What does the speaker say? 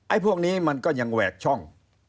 ไอ้พวกนี้ก็ยังแวกช่อง